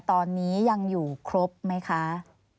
ตอนนี้ยังอยู่ครบไหมคะ